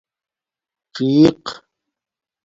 څِیق